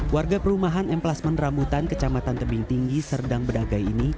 warga perumahan emplasmen rambutan kecamatan tebing tinggi serdang bedagai ini